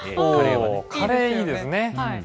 カレー、いいですね。